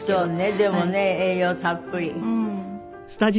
でもね栄養たっぷり。